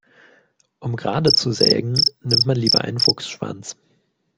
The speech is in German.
Um gerade zu sägen, nimmt man lieber einen Fuchsschwanz.